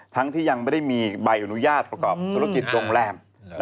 ที่ยังไม่ได้มีใบอนุญาตประกอบธุรกิจโรงแรม